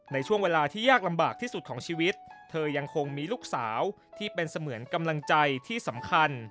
ในช่วงเวลาที่ยากลำบากที่สุดของชีวิตเธอยังคงมีลูกสาวที่เป็นเสมือนกำลังใจที่สำคัญ